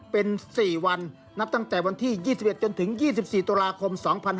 เป็น๔วันนับตั้งแต่วันที่๒๑จนถึง๒๔ตุลาคม๒๕๖๒